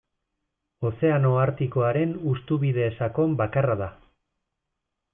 Ozeano Artikoaren hustubide sakon bakarra da.